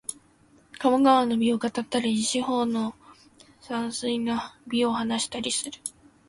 鴨川の美を語ったり、四方の山水の美を話したりする